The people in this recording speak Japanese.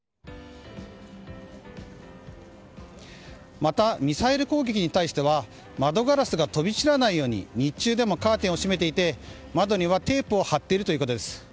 また、ミサイル攻撃に対しては窓ガラスが飛び散らないように日中でもカーテンを閉めていて窓にはテープを貼っているということです。